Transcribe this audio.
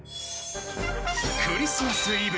［クリスマスイブ。